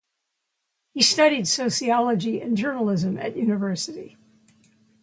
He studied Sociology and Journalism at university.